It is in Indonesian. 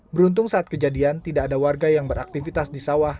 beruntung saat kejadian tidak ada warga yang beraktivitas di sawah